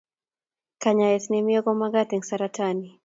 kanyaet nemiee komakat eng saratani